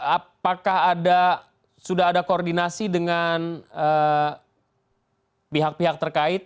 apakah sudah ada koordinasi dengan pihak pihak terkait